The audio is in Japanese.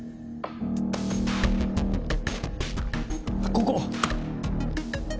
ここ！